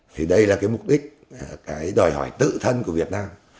thì đây là mục đích đòi hỏi tự thân của việt nam